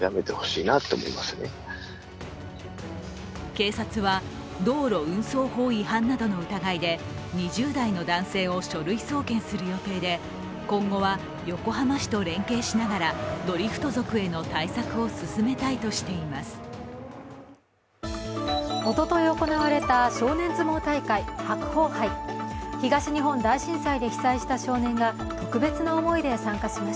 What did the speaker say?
警察は道路運送法違反などの疑いで２０代の男性を書類送検する予定で今後は横浜市と連携しながらドリフト族への対策を進めたいとしています。